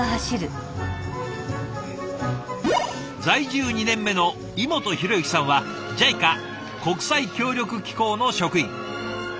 在住２年目の井本浩之さんはＪＩＣＡ＝国際協力機構の職員。